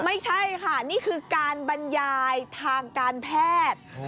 ไม่ใช่ค่ะนี่คือการบรรยายทางการแพทย์